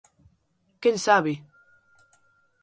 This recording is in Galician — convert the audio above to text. ¡Quen sabe!